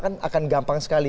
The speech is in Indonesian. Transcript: kan akan gampang sekali